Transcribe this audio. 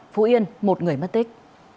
phú yên một người mất tích